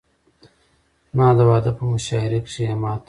زما د واده په مشاعره کښې يې ما ته